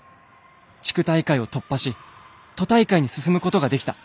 地区大会を突破し都大会に進むことができた。